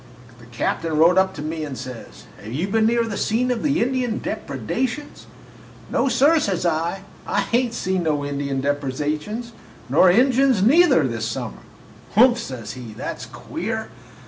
The captain rode up to me and says, 'Have you been near the scene of the Indian depredations?' "'No, sir,' says I, 'I hain't seen no Injun depredations, nor Injuns neither, this summer.' "'Humph!' says he, 'that's queer!'